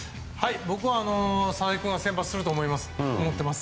僕は、佐々木君は先発すると思ってます。